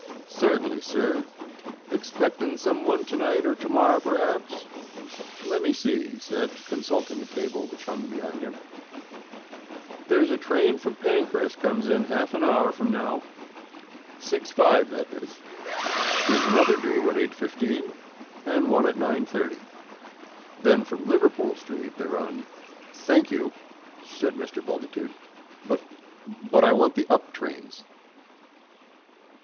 "Certainly, sir; expectin' some one to night or to morrow p'raps. Let me see," he said, consulting a table which hung behind him. "There's a train from Pancras comes in in half an hour from now, 6.5 that is; there's another doo at 8.15, and one at 9.30. Then from Liverpool Street they run " "Thank you," said Mr. Bultitude, "but but I want the up trains."